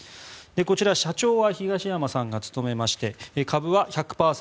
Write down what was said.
こちら、社長は東山さんが務めまして株は１００％